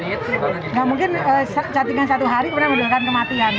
enggak mungkin cacingan satu hari pernah menyebabkan kematian